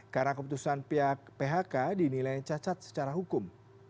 karena keputusan pihak phk dinilai cacat secara hukum